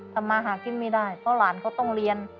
ทำมาหากินไม่ได้เพราะหลานเขาต้องเรียน